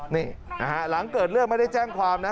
นี่นะฮะหลังเกิดเรื่องไม่ได้แจ้งความนะ